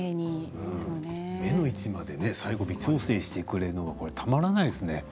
目の位置まで調整してくれるのはたまらないですね